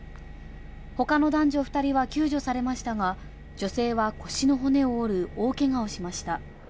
他の男女２人は救助されましたが、女性は腰の骨を折る大けがをしました。